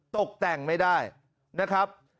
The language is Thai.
ตกแต่งไม่ได้นะครับ